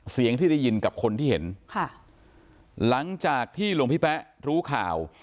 เสียงที่ได้ยินกับคนที่เห็นค่ะหลังจากที่หลวงพี่แป๊ะรู้ข่าว